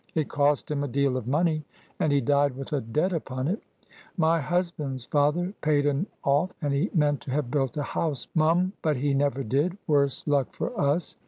It cost him a deal of money, and he died with a debt upon it. My husband's father paid un off; and he meant to have built a house, mum, but he never did, worse luck for us.